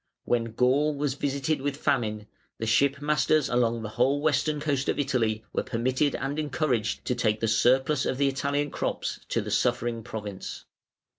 When Gaul was visited with famine, the ship masters along the whole western coast of Italy were permitted and encouraged to take the surplus of the Italian crops to the suffering province.